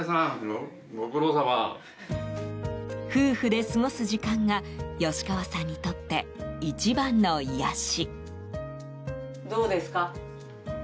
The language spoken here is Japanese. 夫婦で過ごす時間が吉川さんにとって一番の癒やし。